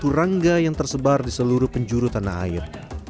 ada beberapa jenis satwa yang tersebar di seluruh penjuru tanah air